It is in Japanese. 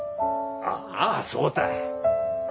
ああそうたい。